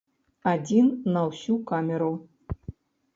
Адзін на ўсю камеру!